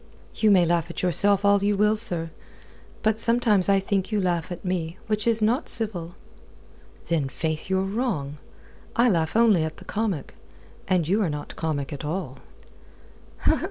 "You may laugh at yourself all you will, sir. But sometimes I think you laugh at me, which is not civil." "Then, faith, you're wrong. I laugh only at the comic, and you are not comic at all."